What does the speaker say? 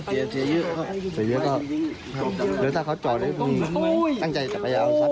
เสียเยอะเสียเยอะก็ถ้าเขาจ่อนด้วยตั้งใจจะไปเอาสักเลย